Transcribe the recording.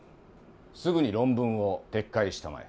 すぐに論文を撤回したまえ。